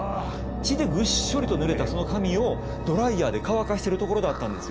血でぐっしょりとぬれたその髪をドライヤーで乾かしてるところだったんですよ。